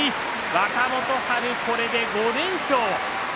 若元春、これで５連勝。